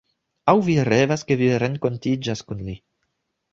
Aŭ vi revas ke vi renkontiĝas kun li